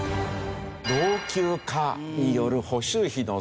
老朽化による補修費の増大ですよね。